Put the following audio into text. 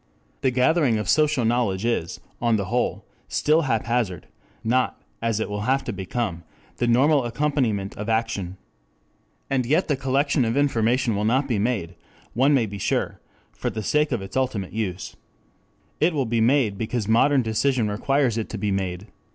The gathering of social knowledge is, on the whole, still haphazard; not, as it will have to become, the normal accompaniment of action. And yet the collection of information will not be made, one may be sure, for the sake of its ultimate use. It will be made because modern decision requires it to be made.